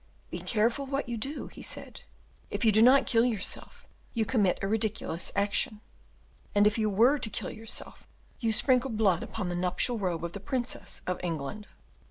"Be careful what you do," he said; "if you do not kill yourself, you commit a ridiculous action; and if you were to kill yourself, you sprinkle blood upon the nuptial robe of the princess of England."